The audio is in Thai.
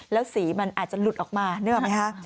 แล้วสีมันอาจจะหลุดออกมานึกออกไหมคะ